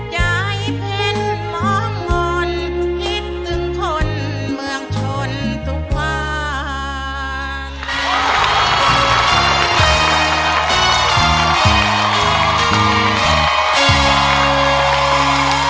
ยายเพ็ญมองงอนคิดถึงคนเมืองชนทุกวัน